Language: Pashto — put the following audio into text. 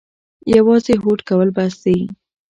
یوازې هوډ کول بس دي؟